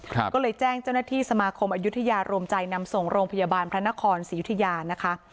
ก็เลยแจ้งเจ้าหน้าที่สมาคมอายุทยารวมใจนำส่งโรงพยาบาลพระนครศรียุธยานะคะ